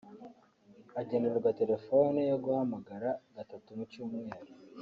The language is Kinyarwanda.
Agenerwa telefoni yo guhamagara gatatu mu cyumweru